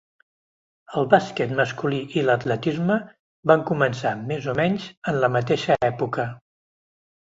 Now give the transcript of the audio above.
El bàsquet masculí i l'atletisme van començar més o menys en la mateixa època.